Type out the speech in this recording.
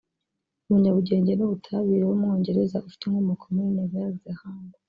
umunyabugenge n’ubutabire w’umwongereza ufite inkomoko muri Nouvelle Zelande